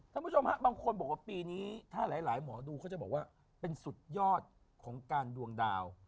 คุณผู้ชมฮะบางคนบอกว่าปีนี้ถ้าหลายหมอดูเขาจะบอกว่าเป็นสุดยอดของการดวงดาว